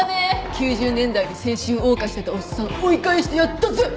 ９０年代に青春謳歌してたおっさん追い返してやったぜ！